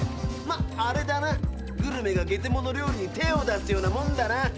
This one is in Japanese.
まあれだなグルメがゲテモノ料理に手を出すようなもんだな。